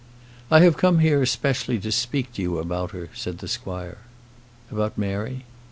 "I have come here specially to speak to you about her," said the squire. "About Mary?"